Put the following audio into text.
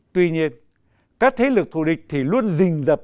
tuy nhiên các thế lực thù địch thì luôn dình dập